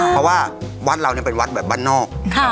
เพราะว่าวัดเราเป็นวัดแบบบ้านนอก